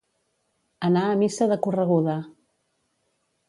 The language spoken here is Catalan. Anar a missa de correguda.